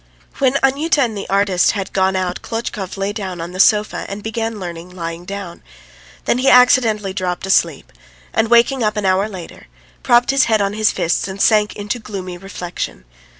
When Anyuta and the artist had gone out Klotchkov lay down on the sofa and began learning, lying down; then he accidentally dropped asleep, and waking up an hour later, propped his head on his fists and sank into gloomy reflection.